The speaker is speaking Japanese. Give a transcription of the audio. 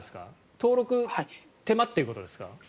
登録が手間ということですか？